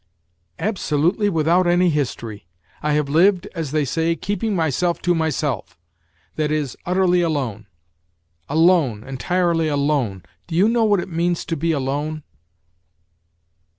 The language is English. " Absolutely without any history ! I have lived, as they say, keeping myself to myself, that is, utterly alone alone, entirely alone. Do you know what it means to be alone